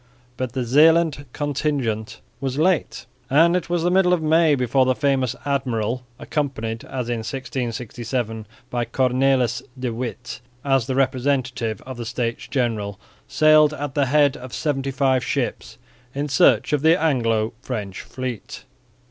But the Zeeland contingent was late and it was the middle of May before the famous admiral, accompanied as in 1667 by Cornelis de Witt as the representative of the States General, sailed at the head of seventy five ships in search of the Anglo French fleet.